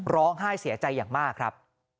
ร้องไห้เสียใจอย่างมากครับ